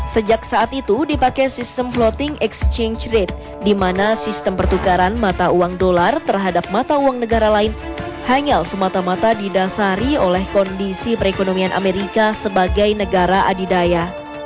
sejak saat itu dipakai sistem floating exchange rate di mana sistem pertukaran mata uang dolar terhadap mata uang negara lain hanya semata mata didasari oleh kondisi perekonomian amerika sebagai negara adidaya